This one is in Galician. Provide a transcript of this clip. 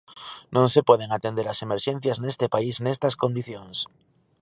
Non se poden atender as emerxencias neste país nestas condicións.